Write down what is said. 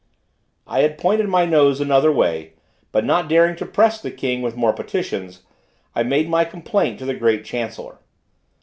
I had pointed my nose another way, but not daring to press the king with more petitions, I made my complaint to the great chancellor.